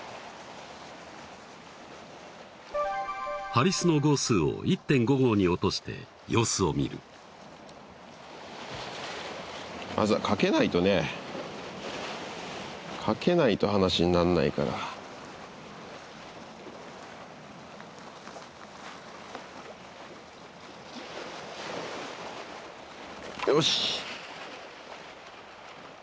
ハリスの号数を１．５号に落として様子を見るまずは掛けないとね掛けないと話になんないからよし！